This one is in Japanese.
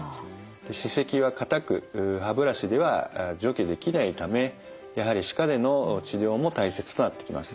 歯石は固く歯ブラシでは除去できないためやはり歯科での治療も大切となってきます。